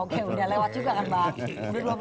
oke udah lewat juga kan bang